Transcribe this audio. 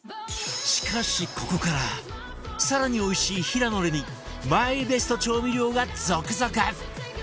しかしここから更においしい平野レミマイベスト調味料が続々！